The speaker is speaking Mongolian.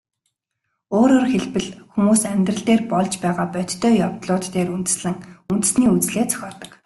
Өөрөөр хэлбэл, хүмүүс амьдрал дээр болж байгаа бодтой явдлууд дээр үндэслэн үндэсний үзлээ зохиодог.